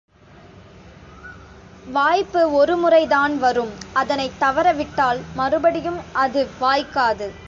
வாய்ப்பு ஒரு முறைதான் வரும் அதனைத் தவற விட்டால் மறுபடியும் அது வாய்க்காது.